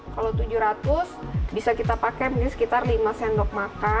kalau tujuh ratus bisa kita pakai mungkin sekitar lima sendok makan